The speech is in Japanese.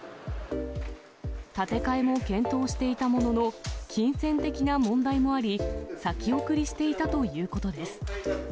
建て替えも検討していたものの、金銭的な問題もあり、先送りしていたということです。